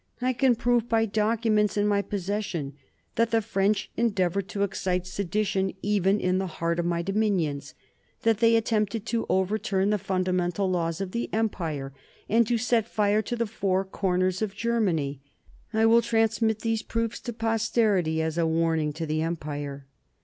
... I can prove, by documents in my possession, that the French endeavoured to excite sedition even in the heart of my dominions, that they attempted to overturn the fundamental laws of the Empire, and to set fire to the four corners of Germany. I will transmit these proofs to posterity, as a warning to the Empire."